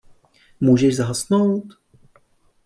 Můžeš zhasnout?